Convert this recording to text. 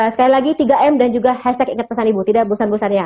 sekali lagi tiga m dan juga hashtag ingat pesan ibu tidak bosan bosannya